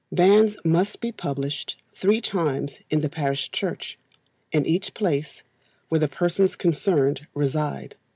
Banns must be published three times in the parish church, in each place where the persons concerned reside.